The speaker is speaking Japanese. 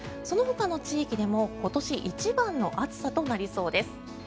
そのほかの地域でも今年一番の暑さとなりそうです。